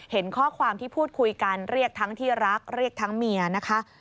เห็นข้อความที่พูดคุยกันเรียกทั้งที่รักเรียกทั้งเมียนะคะ